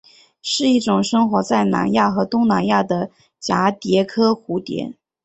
是一种生活在南亚和东南亚的蛱蝶科蝴蝶。